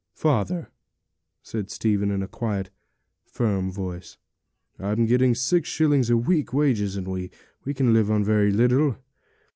'Father,' said Stephen, in a quiet and firm voice, 'I'm getting six shillings a week wages, and we can live on very little.